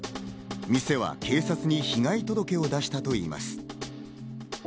店は警察に被害届を出したといいます。